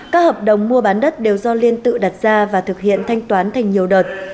các hợp đồng mua bán đất đều do liên tự đặt ra và thực hiện thanh toán thành nhiều đợt